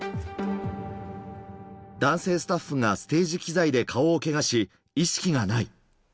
男性スタッフがステージ機材で顔をけがし、意識がない。